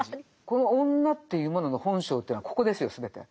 この女というものの本性というのはここですよ全て。